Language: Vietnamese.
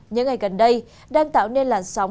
những ngày gần đây đang tạo nên làn sóng